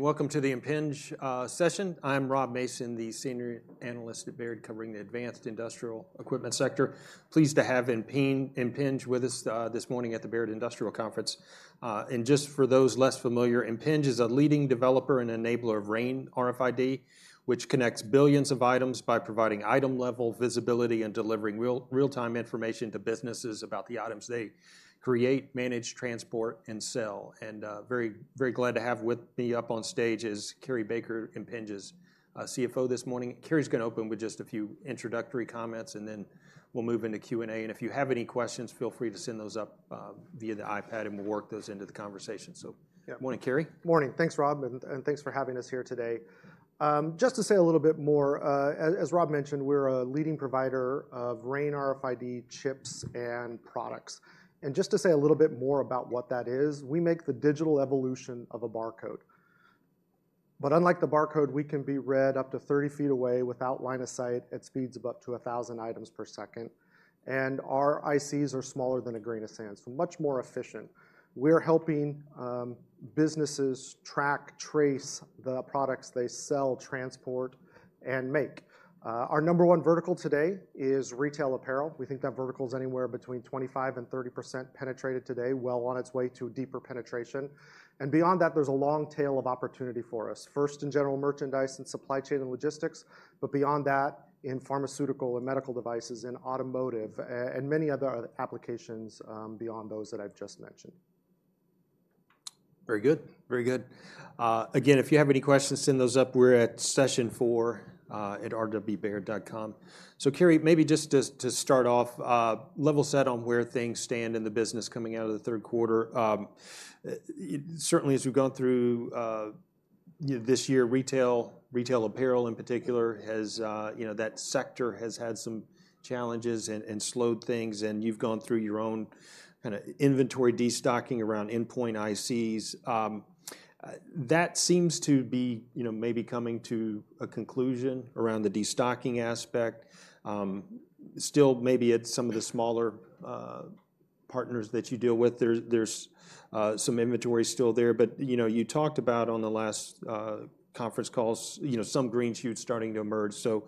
Welcome to the Impinj Session. I'm Rob Mason, the senior analyst at Baird, covering the advanced industrial equipment sector. Pleased to have Impinj with us this morning at the Baird Industrial Conference. And just for those less familiar, Impinj is a leading developer and enabler of RAIN RFID, which connects billions of items by providing item-level visibility and delivering real-time information to businesses about the items they create, manage, transport, and sell. And very glad to have with me up on stage is Cary Baker, Impinj's CFO this morning. Cary's gonna open with just a few introductory comments, and then we'll move into Q&A. And if you have any questions, feel free to send those up via the iPad, and we'll work those into the conversation. So- Yeah. Morning, Cary. Morning. Thanks, Rob, and thanks for having us here today. Just to say a little bit more, as Rob mentioned, we're a leading provider of RAIN RFID chips and products. And just to say a little bit more about what that is, we make the digital evolution of a barcode. But unlike the barcode, we can be read up to 30 ft away without line of sight at speeds of up to 1,000 items per second, and our ICs are smaller than a grain of sand, so much more efficient. We're helping businesses track, trace the products they sell, transport, and make. Our number one vertical today is retail apparel. We think that vertical's anywhere between 25% and 30% penetrated today, well on its way to deeper penetration. Beyond that, there's a long tail of opportunity for us, first in general merchandise and supply chain and logistics, but beyond that, in pharmaceutical and medical devices, in automotive, and many other applications, beyond those that I've just mentioned. Very good. Very good. Again, if you have any questions, send those up. We're at session four at rwbaird.com. So, Cary, maybe just to start off, level set on where things stand in the business coming out of the third quarter. Certainly, as we've gone through, you know, this year, retail, retail apparel in particular, has, you know, that sector has had some challenges and slowed things, and you've gone through your own kinda inventory destocking around endpoint ICs. That seems to be, you know, maybe coming to a conclusion around the destocking aspect. Still, maybe at some of the smaller partners that you deal with, there's some inventory still there. But, you know, you talked about on the last conference calls, you know, some green shoots starting to emerge. So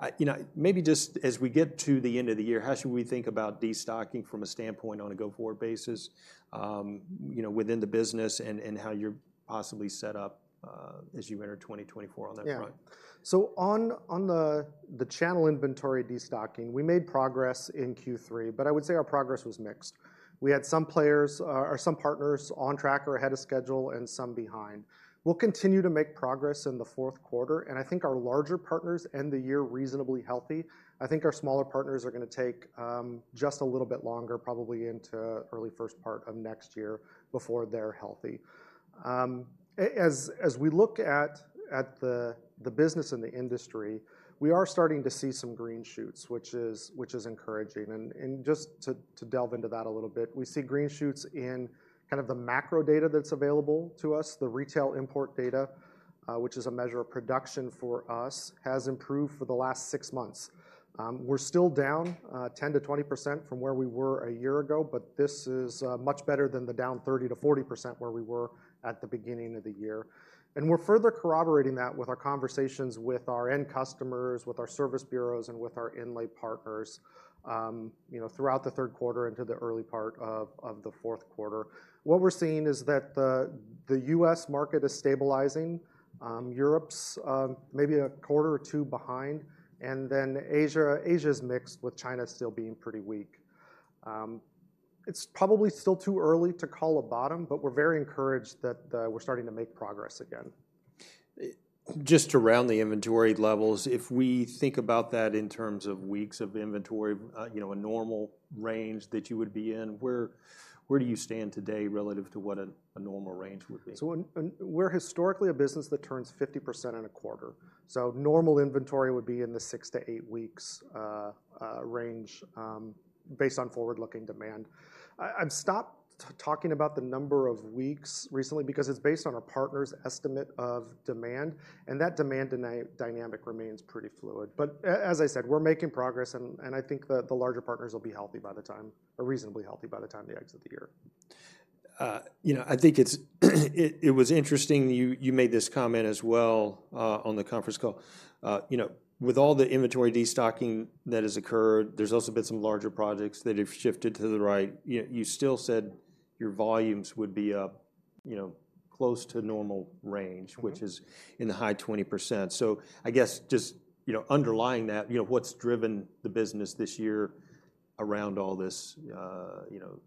I... You know, maybe just as we get to the end of the year, how should we think about destocking from a standpoint on a go-forward basis, you know, within the business and how you're possibly set up, as you enter 2024 on that front? Yeah. So on the channel inventory destocking, we made progress in Q3, but I would say our progress was mixed. We had some players, or some partners on track or ahead of schedule and some behind. We'll continue to make progress in the fourth quarter, and I think our larger partners end the year reasonably healthy. I think our smaller partners are gonna take just a little bit longer, probably into early first part of next year, before they're healthy. As we look at the business and the industry, we are starting to see some green shoots, which is encouraging. And just to delve into that a little bit, we see green shoots in kind of the macro data that's available to us. The retail import data, which is a measure of production for us, has improved for the last six months. We're still down 10%-20% from where we were a year ago, but this is much better than the down 30%-40% where we were at the beginning of the year. We're further corroborating that with our conversations with our end customers, with our service bureaus, and with our inlay partners, you know, throughout the third quarter into the early part of the fourth quarter. What we're seeing is that the U.S. market is stabilizing, Europe's maybe a quarter or two behind, and then Asia's mixed, with China still being pretty weak. It's probably still too early to call a bottom, but we're very encouraged that we're starting to make progress again. Just around the inventory levels, if we think about that in terms of weeks of inventory, you know, a normal range that you would be in, where do you stand today relative to what a normal range would be? We're historically a business that turns 50% in a quarter, so normal inventory would be in the six to eight weeks range, based on forward-looking demand. I've stopped talking about the number of weeks recently because it's based on a partner's estimate of demand, and that demand dynamic remains pretty fluid. But as I said, we're making progress, and I think that the larger partners will be healthy by the time or reasonably healthy by the time they exit the year. You know, I think it was interesting you made this comment as well on the conference call. You know, with all the inventory destocking that has occurred, there's also been some larger projects that have shifted to the right. Yet you still said your volumes would be up, you know, close to normal range- Mm-hmm. - which is in the high 20%. So I guess just, you know, underlying that, you know, what's driven the business this year around all this, you know,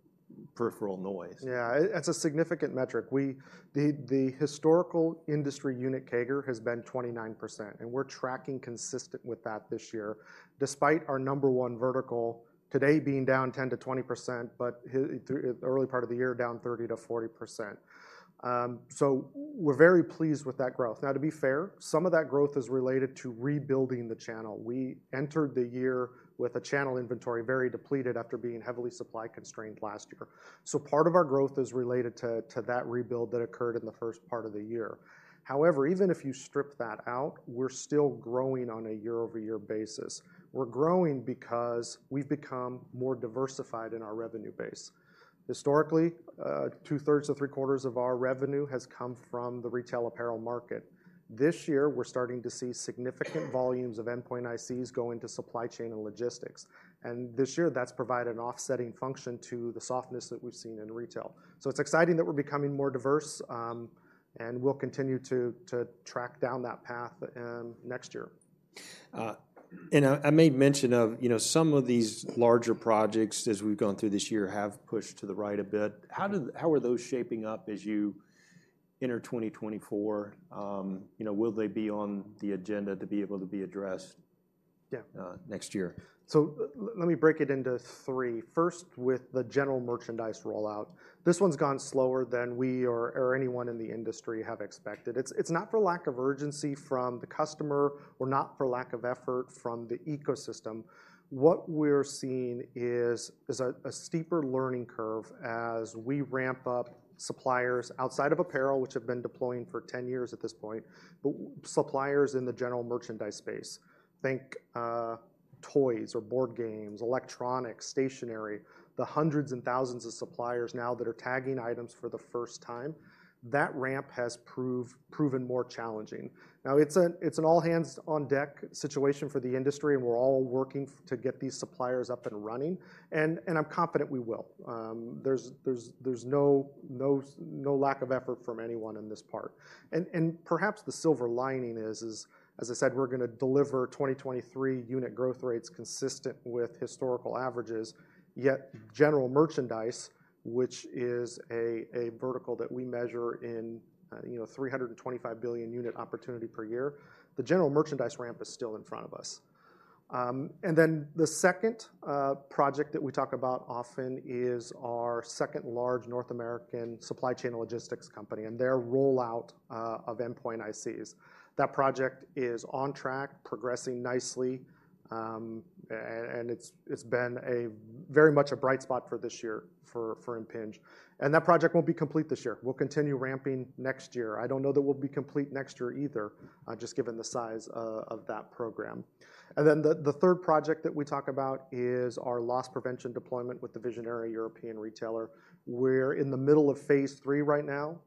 peripheral noise? Yeah, it's a significant metric. The historical industry unit CAGR has been 29%, and we're tracking consistent with that this year, despite our number one vertical today being down 10%-20%, but through the early part of the year, down 30%-40%. So we're very pleased with that growth. Now, to be fair, some of that growth is related to rebuilding the channel. We entered the year with the channel inventory very depleted after being heavily supply-constrained last year. So part of our growth is related to that rebuild that occurred in the first part of the year. However, even if you strip that out, we're still growing on a year-over-year basis. We're growing because we've become more diversified in our revenue base. Historically, two-thirds to three-quarters of our revenue has come from the retail apparel market. This year, we're starting to see significant volumes of endpoint ICs go into supply chain and logistics, and this year, that's provided an offsetting function to the softness that we've seen in retail. So it's exciting that we're becoming more diverse, and we'll continue to track down that path, next year. I made mention of, you know, some of these larger projects as we've gone through this year have pushed to the right a bit. Mm-hmm. How are those shaping up as you enter 2024? You know, will they be on the agenda to be able to be addressed? Yeah. Next year. So let me break it into three. First, with the general merchandise rollout. This one's gone slower than we or anyone in the industry have expected. It's not for lack of urgency from the customer or not for lack of effort from the ecosystem. What we're seeing is a steeper learning curve as we ramp up suppliers outside of apparel, which have been deploying for ten years at this point, but suppliers in the general merchandise space. Think, toys or board games, electronics, stationery, the hundreds and thousands of suppliers now that are tagging items for the first time, that ramp has proven more challenging. Now, it's an all hands on deck situation for the industry, and we're all working to get these suppliers up and running, and I'm confident we will. There's no lack of effort from anyone in this part. And perhaps the silver lining is, as I said, we're gonna deliver 2023 unit growth rates consistent with historical averages, yet general merchandise, which is a vertical that we measure in 325 billion unit opportunity per year, the general merchandise ramp is still in front of us. And then the second project that we talk about often is our second large North American supply chain logistics company and their rollout of endpoint ICs. That project is on track, progressing nicely, and it's been a very much a bright spot for this year for Impinj. And that project won't be complete this year. We'll continue ramping next year. I don't know that we'll be complete next year either, just given the size of that program. And then the third project that we talk about is our loss prevention deployment with the visionary European retailer. We're in the middle of phase three right now.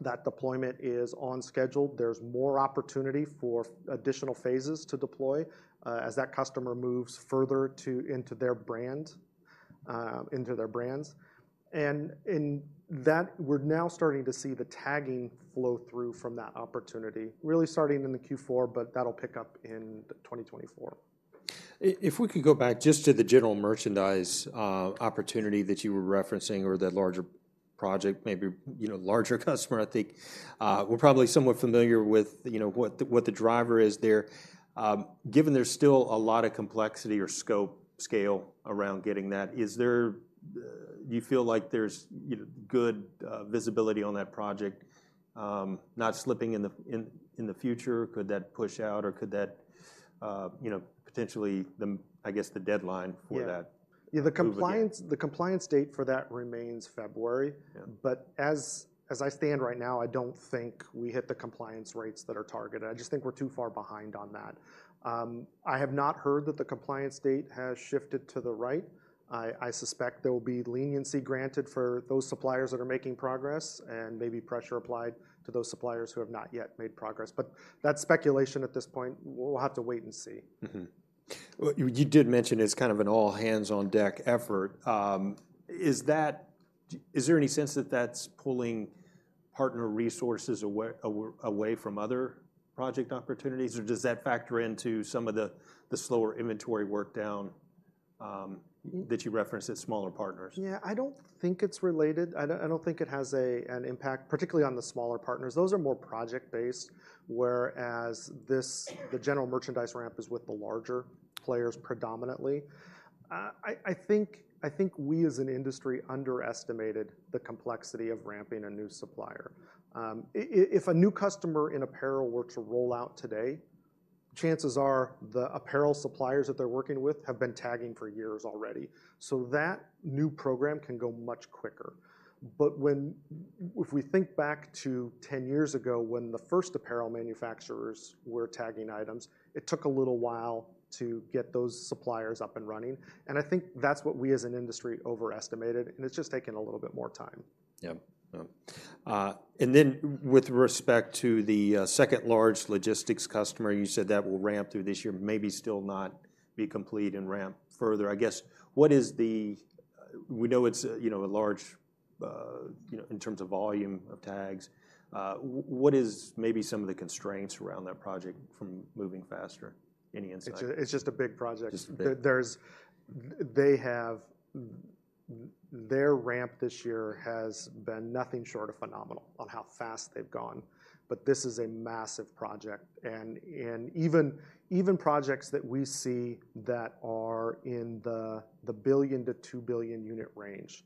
That deployment is on schedule. There's more opportunity for additional phases to deploy, as that customer moves further into their brand, into their brands. And in that, we're now starting to see the tagging flow through from that opportunity, really starting in the Q4, but that'll pick up in 2024. If we could go back just to the general merchandise opportunity that you were referencing or that larger project, maybe, you know, larger customer, I think. We're probably somewhat familiar with, you know, what the driver is there. Given there's still a lot of complexity or scope, scale around getting that, is there... Do you feel like there's, you know, good visibility on that project, not slipping in the future? Could that push out, or could that, you know, potentially, the, I guess, the deadline for that. Yeah. Move again. Yeah, the compliance date for that remains February. Yeah. But as I stand right now, I don't think we hit the compliance rates that are targeted. I just think we're too far behind on that. I have not heard that the compliance date has shifted to the right. I suspect there will be leniency granted for those suppliers that are making progress, and maybe pressure applied to those suppliers who have not yet made progress. But that's speculation at this point. We'll have to wait and see. Mm-hmm. Well, you, you did mention it's kind of an all-hands-on-deck effort. Is there any sense that that's pulling partner resources away, away, away from other project opportunities, or does that factor into some of the, the slower inventory work down, that you referenced at smaller partners? Yeah, I don't think it's related. I don't think it has an impact, particularly on the smaller partners. Those are more project-based, whereas the general merchandise ramp is with the larger players, predominantly. I think we, as an industry, underestimated the complexity of ramping a new supplier. If a new customer in apparel were to roll out today, chances are the apparel suppliers that they're working with have been tagging for years already, so that new program can go much quicker. But if we think back to 10 years ago, when the first apparel manufacturers were tagging items, it took a little while to get those suppliers up and running, and I think that's what we, as an industry, overestimated, and it's just taken a little bit more time. Yeah. Yeah. And then with respect to the second-largest logistics customer, you said that will ramp through this year, maybe still not be complete and ramp further. I guess, what is the, we know it's, you know, a large, you know, in terms of volume of tags. What is maybe some of the constraints around that project from moving faster? Any insight? It's just a big project. Just big. They have their ramp this year has been nothing short of phenomenal on how fast they've gone, but this is a massive project, and even projects that we see that are in the 1 billion-2 billion unit range,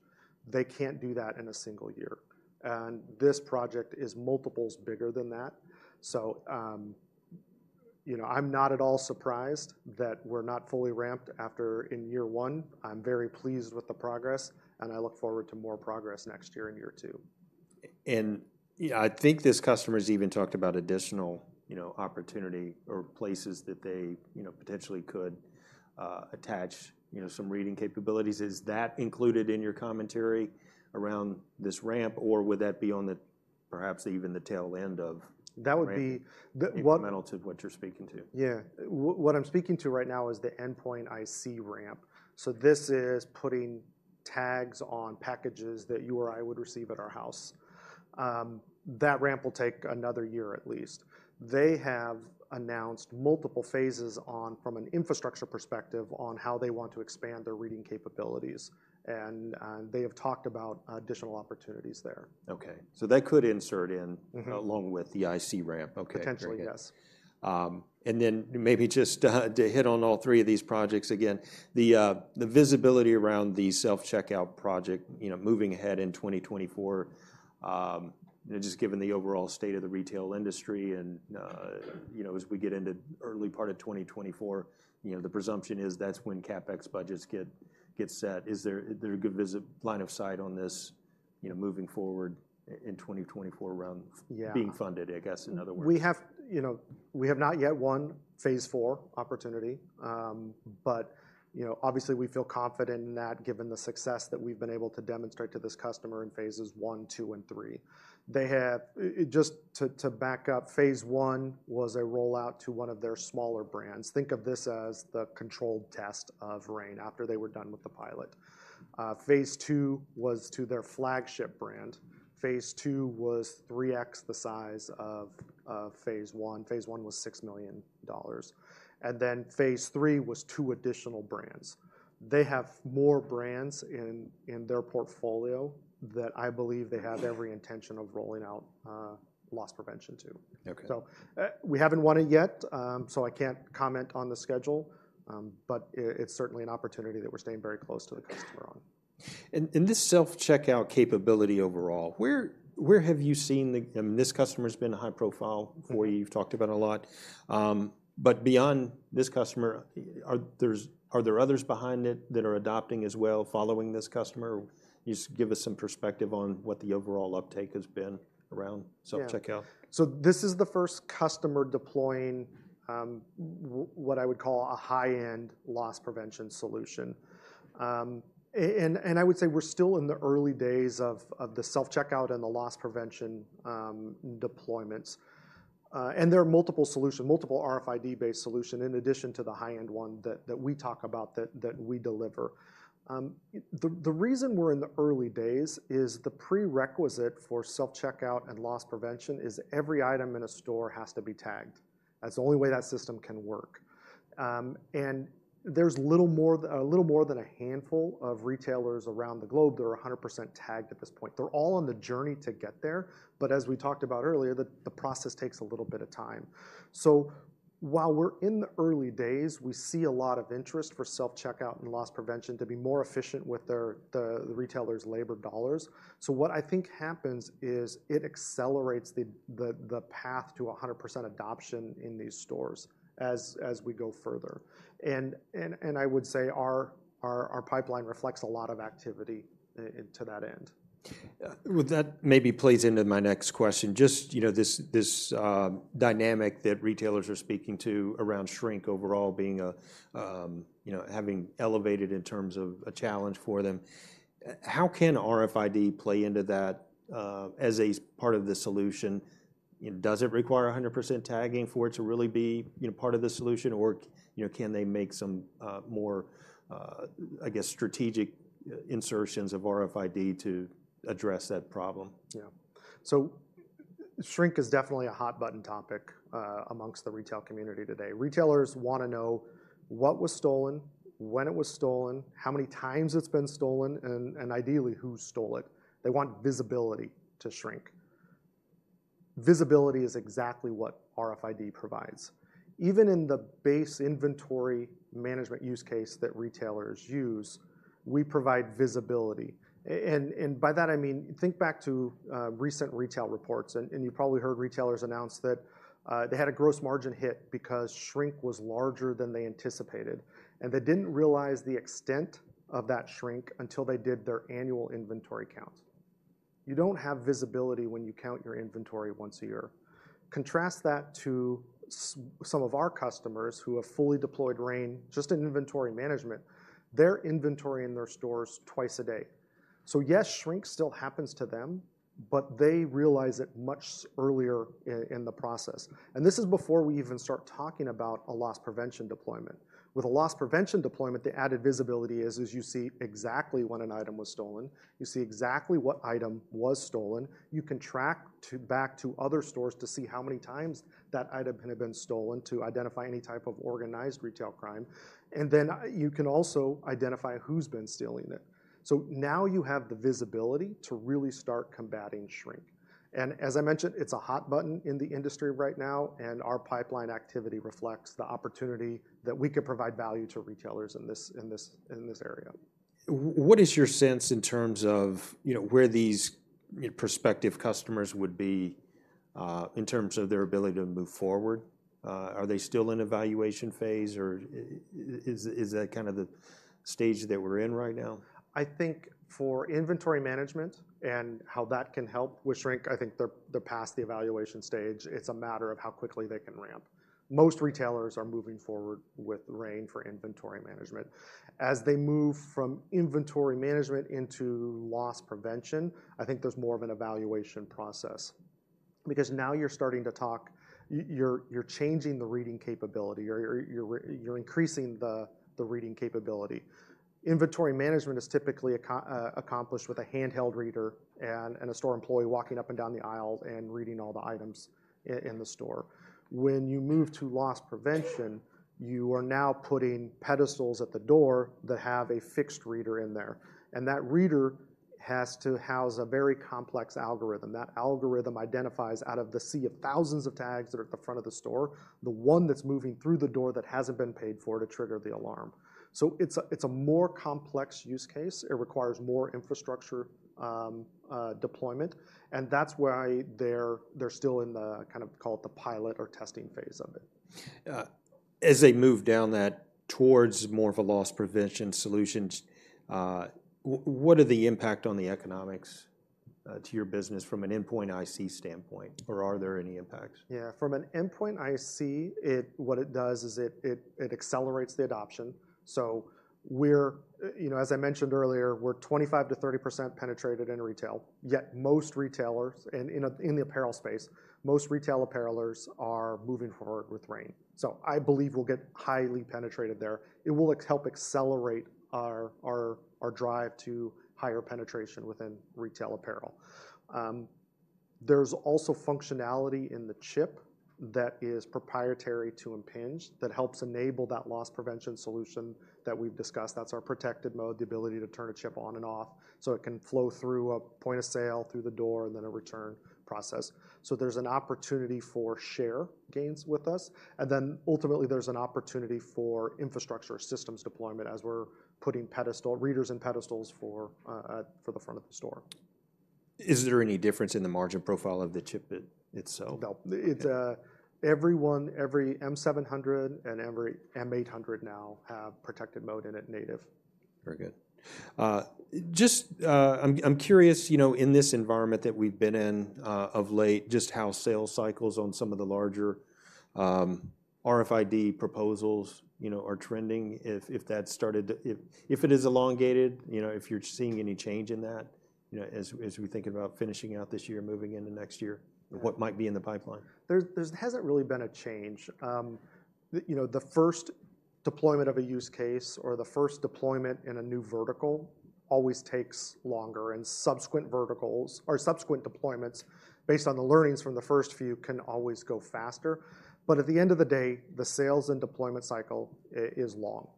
they can't do that in a single year, and this project is multiples bigger than that. So, you know, I'm not at all surprised that we're not fully ramped after in year one. I'm very pleased with the progress, and I look forward to more progress next year in year two. And, yeah, I think this customer's even talked about additional, you know, opportunity or places that they, you know, potentially could attach, you know, some reading capabilities. Is that included in your commentary around this ramp, or would that be on the, perhaps even the tail end of- That would be the, what- Fundamental to what you're speaking to? Yeah. What I'm speaking to right now is the endpoint IC ramp. So this is putting tags on packages that you or I would receive at our house. That ramp will take another year at least. They have announced multiple phases on, from an infrastructure perspective, on how they want to expand their reading capabilities, and, they have talked about additional opportunities there. Okay, so that could insert in- Mm-hmm... along with the IC ramp. Okay. Potentially, yes. And then maybe just to hit on all three of these projects again, the visibility around the self-checkout project, you know, moving ahead in 2024, just given the overall state of the retail industry and, you know, as we get into early part of 2024, you know, the presumption is that's when CapEx budgets get set. Is there a good visibility line of sight on this, you know, moving forward in 2024 around- Yeah... being funded, I guess, in other words? We have, you know, we have not yet won phase four opportunity, but, you know, obviously we feel confident in that, given the success that we've been able to demonstrate to this customer in phases one, two, and three. They have just to back up, phase one was a rollout to one of their smaller brands. Think of this as the controlled test of RAIN after they were done with the pilot. Phase two was to their flagship brand. Phase two was 3x the size of phase one. Phase one was $6 million, and then phase three was two additional brands. They have more brands in their portfolio that I believe they have every intention of rolling out loss prevention to. Okay. We haven't won it yet, so I can't comment on the schedule, but it's certainly an opportunity that we're staying very close to the customer on. This self-checkout capability overall, where have you seen the, I mean, this customer's been high profile, where you've talked about a lot. But beyond this customer, are there others behind it that are adopting as well, following this customer? Just give us some perspective on what the overall uptake has been around- Yeah Self-checkout. So this is the first customer deploying what I would call a high-end loss prevention solution. And I would say we're still in the early days of the self-checkout and the loss prevention deployments. And there are multiple solution, multiple RFID-based solution in addition to the high-end one that we talk about, that we deliver. The reason we're in the early days is the prerequisite for self-checkout and loss prevention is every item in a store has to be tagged. That's the only way that system can work. And there's a little more than a handful of retailers around the globe that are 100% tagged at this point. They're all on the journey to get there, but as we talked about earlier, the process takes a little bit of time. So while we're in the early days, we see a lot of interest for self-checkout and loss prevention to be more efficient with their retailers' labor dollars. So what I think happens is it accelerates the path to 100% adoption in these stores as we go further. And I would say our pipeline reflects a lot of activity to that end. Well, that maybe plays into my next question. Just, you know, this, this, dynamic that retailers are speaking to around shrink overall being a, you know, having elevated in terms of a challenge for them, how can RFID play into that, as a part of the solution? You know, does it require 100% tagging for it to really be, you know, part of the solution, or you know, can they make some, more, I guess, strategic, insertions of RFID to address that problem? Yeah. So shrink is definitely a hot-button topic amongst the retail community today. Retailers wanna know what was stolen, when it was stolen, how many times it's been stolen, and ideally, who stole it. They want visibility to shrink. Visibility is exactly what RFID provides. Even in the base inventory management use case that retailers use, we provide visibility. And by that, I mean, think back to recent retail reports, and you probably heard retailers announce that they had a gross margin hit because shrink was larger than they anticipated, and they didn't realize the extent of that shrink until they did their annual inventory count. You don't have visibility when you count your inventory once a year. Contrast that to some of our customers who have fully deployed RAIN, just in inventory management. They're inventorying their stores twice a day. So yes, shrink still happens to them, but they realize it much earlier in the process, and this is before we even start talking about a loss prevention deployment. With a loss prevention deployment, the added visibility is you see exactly when an item was stolen, you see exactly what item was stolen, you can track back to other stores to see how many times that item had been stolen to identify any type of organized retail crime, and then you can also identify who's been stealing it. So now you have the visibility to really start combating shrink. And as I mentioned, it's a hot button in the industry right now, and our pipeline activity reflects the opportunity that we could provide value to retailers in this, in this, in this area. What is your sense in terms of, you know, where these, you know, prospective customers would be in terms of their ability to move forward, are they still in evaluation phase, or is that kind of the stage that we're in right now? I think for inventory management and how that can help with shrink, I think they're past the evaluation stage. It's a matter of how quickly they can ramp. Most retailers are moving forward with RAIN for inventory management. As they move from inventory management into loss prevention, I think there's more of an evaluation process, because now you're starting to talk—you're changing the reading capability, or you're increasing the reading capability. Inventory management is typically accomplished with a handheld reader and a store employee walking up and down the aisles and reading all the items in the store. When you move to loss prevention, you are now putting pedestals at the door that have a fixed reader in there, and that reader has to house a very complex algorithm. That algorithm identifies, out of the sea of thousands of tags that are at the front of the store, the one that's moving through the door that hasn't been paid for to trigger the alarm. So it's a, it's a more complex use case. It requires more infrastructure, deployment, and that's why they're, they're still in the kind of call it the pilot or testing phase of it. As they move down that towards more of a loss prevention solutions, what are the impact on the economics to your business from an endpoint IC standpoint, or are there any impacts? Yeah, from an endpoint IC, what it does is it accelerates the adoption. So we're, you know, as I mentioned earlier, we're 25%-30% penetrated in retail, yet most retailers in the apparel space, most retail apparelers are moving forward with RAIN. So I believe we'll get highly penetrated there. It will help accelerate our drive to higher penetration within retail apparel. There's also functionality in the chip that is proprietary to Impinj, that helps enable that loss prevention solution that we've discussed. That's our Protected Mode, the ability to turn a chip on and off, so it can flow through a point of sale, through the door, and then a return process. So there's an opportunity for share gains with us, and then ultimately, there's an opportunity for infrastructure systems deployment as we're putting pedestal readers and pedestals for the front of the store. Is there any difference in the margin profile of the chip itself? Nope. Okay. Every one, every M700 and every M800 now have Protected Mode in it natively. Very good. Just, I'm curious, you know, in this environment that we've been in, of late, just how sales cycles on some of the larger, RFID proposals, you know, are trending, if that's started to. If it is elongated, you know, if you're seeing any change in that, you know, as we think about finishing out this year, moving into next year, what might be in the pipeline? There hasn't really been a change. You know, the first deployment of a use case or the first deployment in a new vertical always takes longer, and subsequent verticals or subsequent deployments based on the learnings from the first few, can always go faster. But at the end of the day, the sales and deployment cycle is long.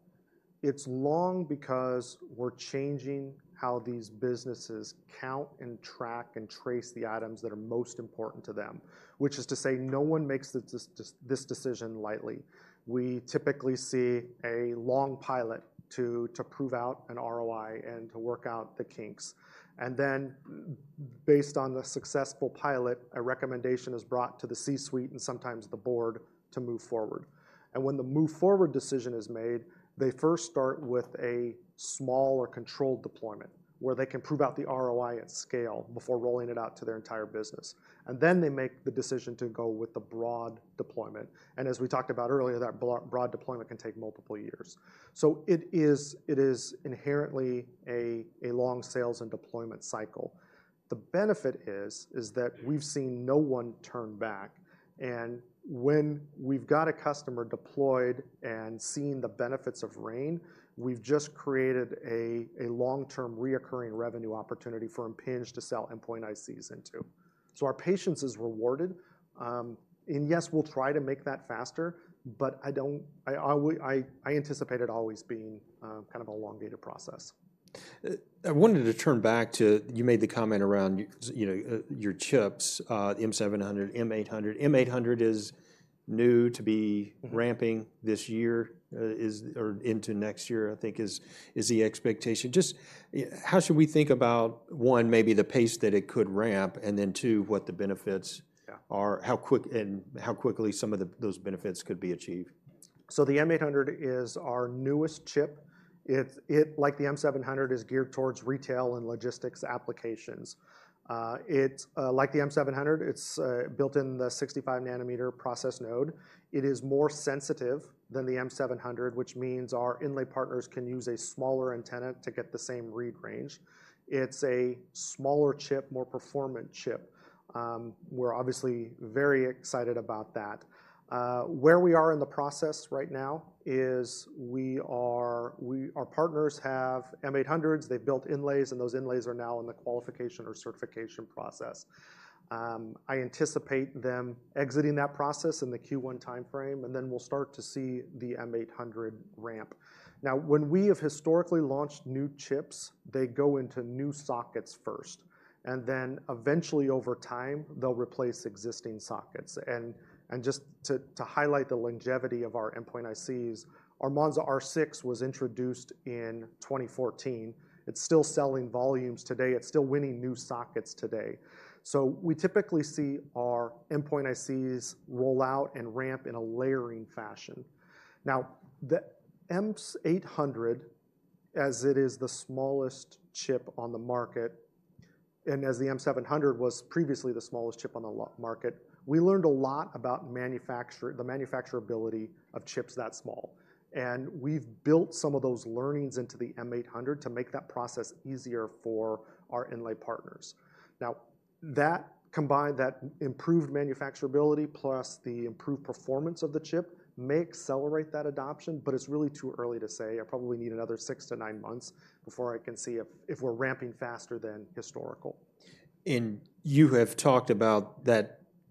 It's long because we're changing how these businesses count and track, and trace the items that are most important to them, which is to say, no one makes this decision lightly. We typically see a long pilot to prove out an ROI and to work out the kinks, and then, based on the successful pilot, a recommendation is brought to the C-suite and sometimes the board to move forward. And when the move forward decision is made, they first start with a small or controlled deployment, where they can prove out the ROI at scale before rolling it out to their entire business. And then they make the decision to go with the broad deployment, and as we talked about earlier, that broad deployment can take multiple years. So it is inherently a long sales and deployment cycle. The benefit is that we've seen no one turn back, and when we've got a customer deployed and seeing the benefits of RAIN, we've just created a long-term recurring revenue opportunity for Impinj to sell endpoint ICs into. So our patience is rewarded, and yes, we'll try to make that faster, but I don't, I anticipate it always being kind of an elongated process. I wanted to turn back to... You made the comment around, you know, your chips, M700, M800. M800 is new to be- Mm-hmm. Ramping this year, or into next year, I think is, is the expectation. Just, how should we think about, one, maybe the pace that it could ramp, and then, two, what the benefits rare, how quick, and how quickly some of those benefits could be achieved? So the M800 is our newest chip. It's like the M700, is geared towards retail and logistics applications. It's like the M700, built in the 65 nm process node. It is more sensitive than the M700, which means our inlay partners can use a smaller antenna to get the same read range. It's a smaller chip, more performant chip. We're obviously very excited about that. Where we are in the process right now is our partners have M800s. They've built inlays, and those inlays are now in the qualification or certification process. I anticipate them exiting that process in the Q1 timeframe, and then we'll start to see the M800 ramp. Now, when we have historically launched new chips, they go into new sockets first, and then eventually, over time, they'll replace existing sockets. Just to highlight the longevity of our endpoint ICs, our Monza R6 was introduced in 2014. It's still selling volumes today. It's still winning new sockets today. So we typically see our endpoint ICs roll out and ramp in a layering fashion. Now, the M800, as it is the smallest chip on the market and as the M700 was previously the smallest chip on the market, we learned a lot about the manufacturability of chips that small. And we've built some of those learnings into the M800 to make that process easier for our inlay partners. Now, that combined, that improved manufacturability plus the improved performance of the chip, may accelerate that adoption, but it's really too early to say. I probably need another six to nine months before I can see if we're ramping faster than historical. You have talked about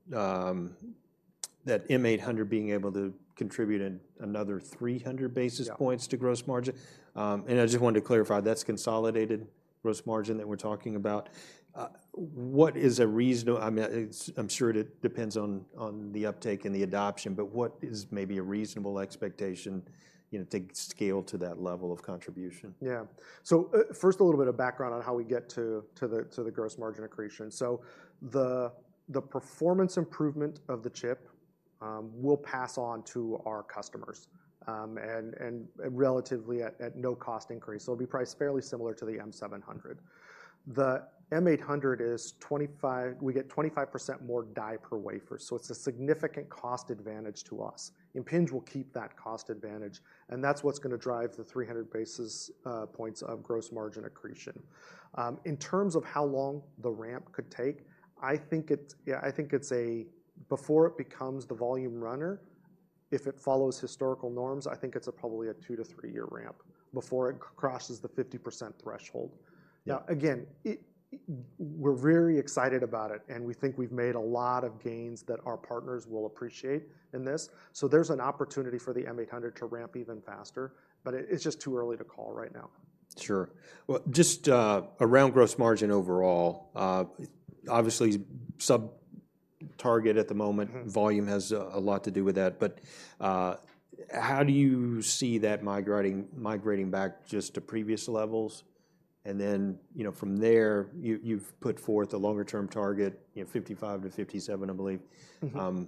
that M800 being able to contribute another 300 basis- Yeah... points to gross margin. And I just wanted to clarify, that's consolidated gross margin that we're talking about. What is a reasonable—I mean, it's, I'm sure it depends on the uptake and the adoption, but what is maybe a reasonable expectation, you know, to scale to that level of contribution? Yeah. So, first, a little bit of background on how we get to the gross margin accretion. So the performance improvement of the chip will pass on to our customers and relatively at no cost increase. So it'll be priced fairly similar to the M700. The M800 is 25. We get 25% more die per wafer, so it's a significant cost advantage to us. Impinj will keep that cost advantage, and that's what's gonna drive the 300 basis points of gross margin accretion. In terms of how long the ramp could take, I think it, yeah, I think it's a—before it becomes the volume runner, if it follows historical norms, I think it's probably a two to three-year ramp before it crosses the 50% threshold. Yeah. Now, again, we're very excited about it, and we think we've made a lot of gains that our partners will appreciate in this. So there's an opportunity for the M800 to ramp even faster, but it's just too early to call right now. Sure. Well, just around gross margin overall, obviously, sub-target at the moment. Mm-hmm. Volume has a lot to do with that, but, how do you see that migrating back just to previous levels? And then, you know, from there, you've put forth a longer-term target, you know, 55-57, I believe. Mm-hmm.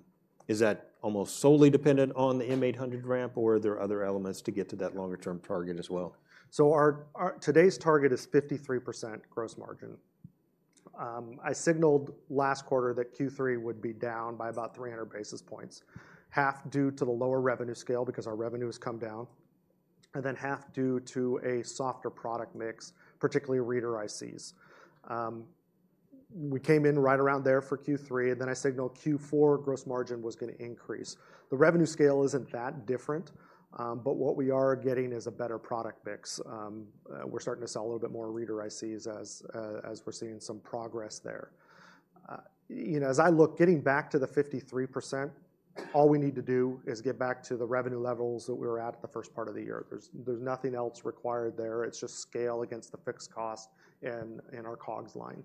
Is that almost solely dependent on the M800 ramp, or are there other elements to get to that longer-term target as well? So our today's target is 53% gross margin. I signaled last quarter that Q3 would be down by about 300 basis points, half due to the lower revenue scale, because our revenue has come down, and then half due to a softer product mix, particularly reader ICs. We came in right around there for Q3, and then I signaled Q4 gross margin was gonna increase. The revenue scale isn't that different, but what we are getting is a better product mix. We're starting to sell a little bit more reader ICs as, as we're seeing some progress there. You know, as I look, getting back to the 53%, all we need to do is get back to the revenue levels that we were at the first part of the year. There's nothing else required there. It's just scale against the fixed cost in our COGS line.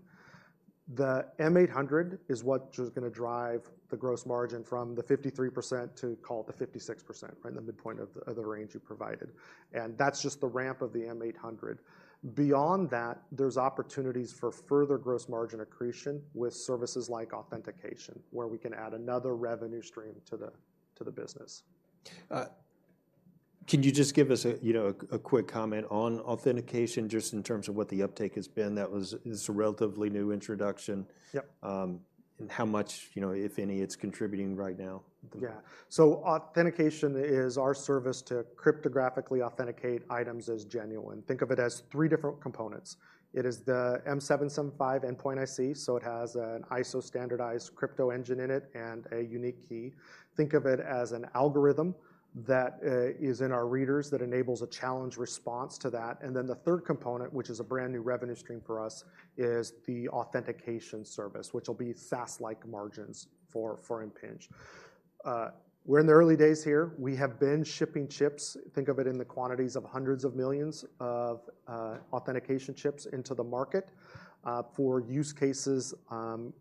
The M800 is what is gonna drive the gross margin from the 53% to, call it, the 56%, right in the midpoint of the range you provided, and that's just the ramp of the M800. Beyond that, there's opportunities for further gross margin accretion with services like authentication, where we can add another revenue stream to the business. Could you just give us, you know, a quick comment on authentication, just in terms of what the uptake has been? That was, is a relatively new introduction. Yep. How much, you know, if any, it's contributing right now? Yeah. So authentication is our service to cryptographically authenticate items as genuine. Think of it as three different components. It is the M775 endpoint IC, so it has an ISO-standardized crypto engine in it and a unique key. Think of it as an algorithm that is in our readers that enables a challenge response to that. And then the third component, which is a brand-new revenue stream for us, is the authentication service, which will be SaaS-like margins for Impinj. We're in the early days here. We have been shipping chips, think of it in the quantities of hundreds of millions of authentication chips into the market for use cases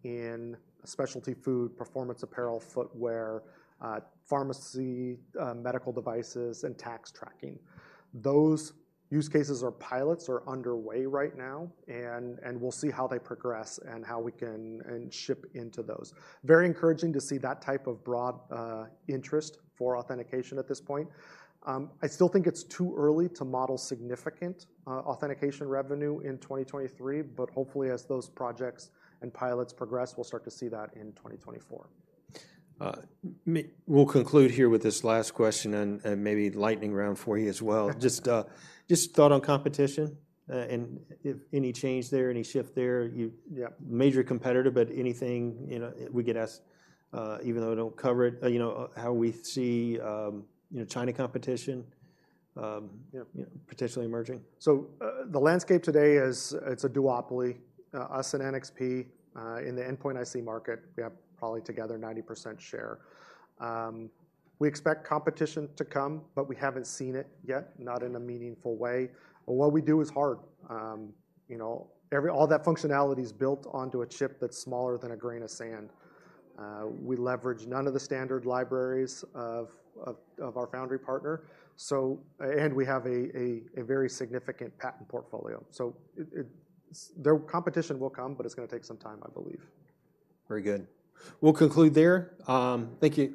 in specialty food, performance apparel, footwear, pharmacy, medical devices, and tax tracking. Those use cases or pilots are underway right now, and we'll see how they progress and how we can ship into those. Very encouraging to see that type of broad interest for authentication at this point. I still think it's too early to model significant authentication revenue in 2023, but hopefully, as those projects and pilots progress, we'll start to see that in 2024. We'll conclude here with this last question and maybe lightning round for you as well. Just a thought on competition, and if any change there, any shift there, you- Yeah. Major competitor, but anything, you know, we get asked, even though I don't cover it, you know, how we see, you know, China competition. Yep... you know, potentially emerging. So, the landscape today is, it's a duopoly, us and NXP, in the endpoint IC market. We have probably together 90% share. We expect competition to come, but we haven't seen it yet, not in a meaningful way. What we do is hard. You know, all that functionality is built onto a chip that's smaller than a grain of sand. We leverage none of the standard libraries of our foundry partner, so, and we have a very significant patent portfolio. So the competition will come, but it's gonna take some time, I believe. Very good. We'll conclude there. Thank you.